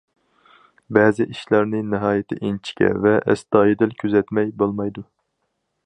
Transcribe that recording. بەزى ئىشلارنى ناھايىتى ئىنچىكە ۋە ئەستايىدىل كۆزەتمەي بولمايدۇ.